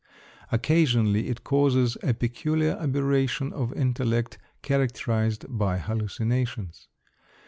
Occasionally it causes a peculiar aberration of intellect, characterized by hallucinations.